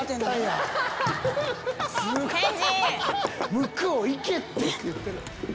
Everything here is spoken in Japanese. ・「向こう行け」って言ってる。